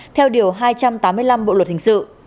theo điều hai trăm tám mươi năm bộ luật hình sự